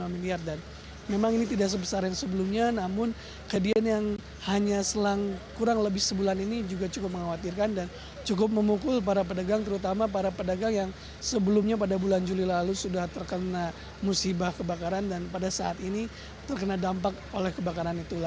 lima miliar dan memang ini tidak sebesar yang sebelumnya namun kejadian yang hanya selang kurang lebih sebulan ini juga cukup mengkhawatirkan dan cukup memukul para pedagang terutama para pedagang yang sebelumnya pada bulan juli lalu sudah terkena musibah kebakaran dan pada saat ini terkena dampak oleh kebakaran itu